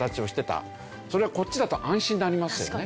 それがこっちだと安心になりますよね。